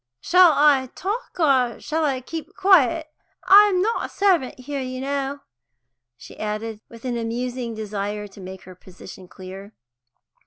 "Shall I talk, or shall I keep quiet? I'm not a servant here, you know," she added, with an amusing desire to make her position clear.